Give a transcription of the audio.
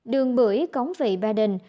đường bưởi cống vị ba đình